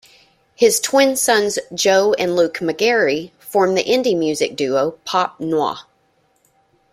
His twin sons, Joe and Luke McGarry, form the indie music duo Pop Noir.